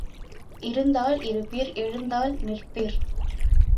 இருந்தால் இருப்பீர் எழுந்தால் நிற்பீர்.